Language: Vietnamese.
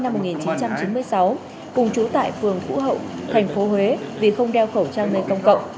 bùi văn thương sinh năm một nghìn chín trăm chín mươi sáu cùng trú tại phường phú hậu thành phố huế vì không đeo khẩu trang nơi công cộng